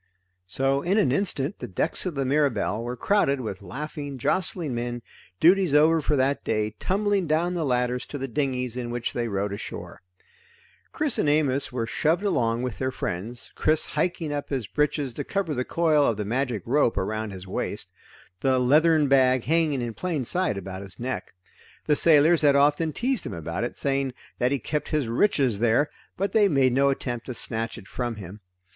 So in an instant the decks of the Mirabelle were crowded with laughing jostling men, duties over for that day, tumbling down the ladders to the dinghies in which they rowed ashore. Chris and Amos were shoved along with their friends, Chris hiking up his breeches to cover the coil of the magic rope around his waist; the leathern bag hanging in plain sight about his neck. The sailors had often teased him about it, saying that he kept his riches there, but they made no attempt to snatch it from him.